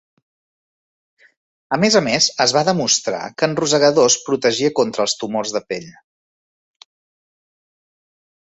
A més a més, es va demostrar que en rosegadors protegia contra els tumors de pell.